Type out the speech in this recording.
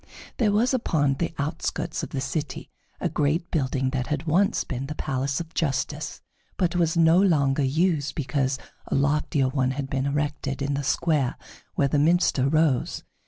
There was upon the outskirts of the city a great building that had once been the Palace of Justice, but was no longer used because a loftier one had been erected in the square where the minster rose.